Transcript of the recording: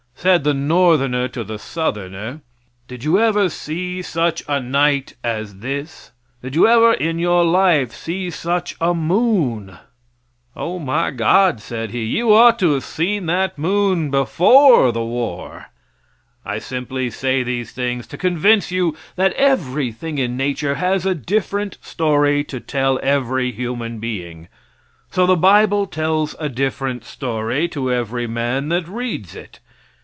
Said the Northerner to the Southerner, "Did you ever see such a night as this; did you ever in your life see such a moon?" "Oh, my God," said he, "you ought to have seen that moon before the War!" I simply say these things to convince you that everything in nature has a different story to tell every human being. So the bible tells a different story to every man that reads it.